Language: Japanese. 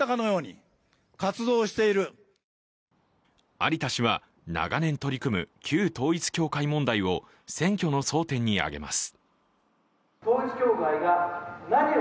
有田氏は長年取り組む旧統一教会問題を選挙の争点に挙げます。